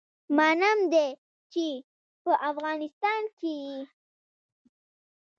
منم دی چې په افغانستان کي يي